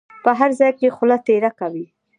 په هر ځای کې خوله تېره کوي.